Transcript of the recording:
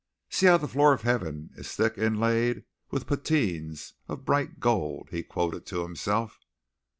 "See how the floor of heaven is thick inlaid with patines of bright gold," he quoted to himself.